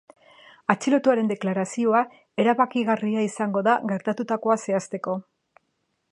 Atxilotuaren deklarazioa erabakigarria izango da gertatutakoa zehazteko.